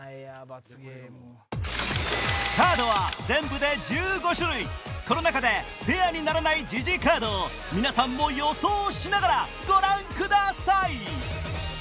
カードは全部で１５種類この中でペアにならないジジカードを皆さんも予想しながらご覧ください！